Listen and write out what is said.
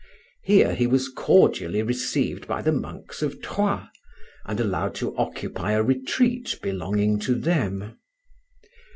Here he was cordially received by the monks of Troyes, and allowed to occupy a retreat belonging to them.